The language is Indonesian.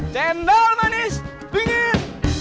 cendol manis dingin